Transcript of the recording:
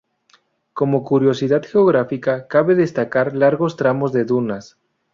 Como curiosidad geográfica cabe destacar largos tramos de dunas.